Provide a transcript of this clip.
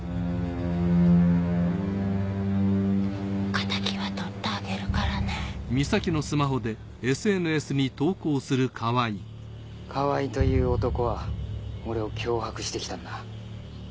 敵は取ってあげるからね川井という男は俺を脅迫してきたんだ。